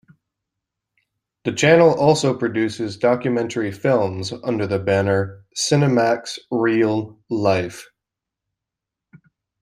The channel also produces documentary films under the banner "Cinemax Reel Life".